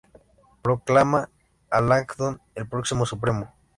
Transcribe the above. Proclama a Langdon el próximo Supremo.